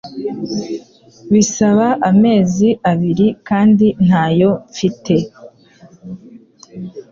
bisaba amezi abiri kandi ntayo mfite